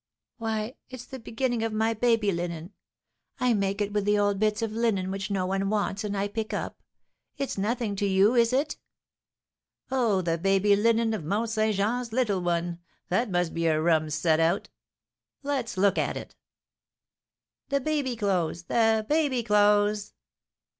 "Why, it's the beginning of my baby linen; I make it with the old bits of linen which no one wants, and I pick up. It's nothing to you, is it?" "Oh, the baby linen of Mont Saint Jean's little one! That must be a rum set out!" "Let's look at it." "The baby clothes! The baby clothes!"